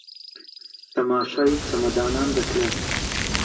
تەماشای چەمەدانان دەکرا